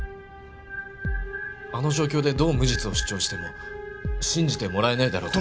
あの状況でどう無実を主張しても信じてもらえないだろうと。